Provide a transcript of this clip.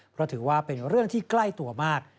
เพราะถือว่าเป็นเรื่องที่ใกล้ตัวมาก